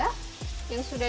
masukkan rendangnya juga